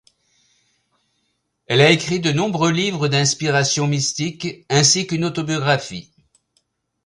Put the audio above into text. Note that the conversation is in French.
Elle a écrit de nombreux livres d'inspiration mystique ainsi qu'une autobiographie.